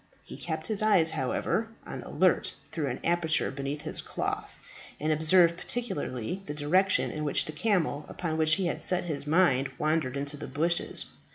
He kept his eyes, however, on the alert through an aperture beneath his cloth, and observed particularly the direction in which the camel upon which he had set his mind wandered into the bushes.